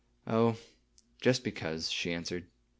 "Oh, just because," she answered.